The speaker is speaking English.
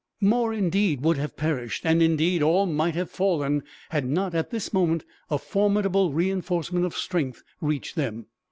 More, indeed, would have perished; and indeed, all might have fallen had not, at this moment, a formidable reinforcement of strength reached them.